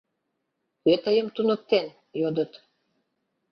— Кӧ тыйым туныктен? — йодыт.